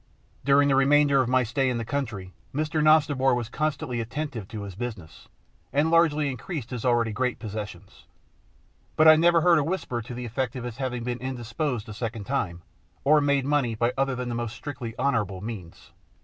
During the remainder of my stay in the country Mr. Nosnibor was constantly attentive to his business, and largely increased his already great possessions; but I never heard a whisper to the effect of his having been indisposed a second time, or made money by other than the most strictly honourable means.